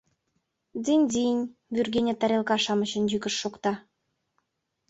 — Дзинь-дзинь, — вӱргене тарелка-шамычын йӱкышт шокта.